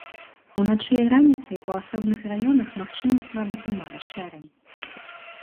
Уначы і раніцай у асобных раёнах магчымы слабы туман, шэрань.